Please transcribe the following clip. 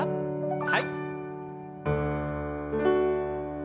はい。